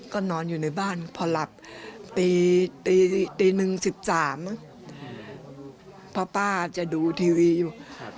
ก็นอนอยู่ในบ้านพอหลับตี๑๑๓นพ่อป้าจะดูทีวีอยู่